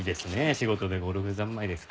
仕事でゴルフ三昧ですか。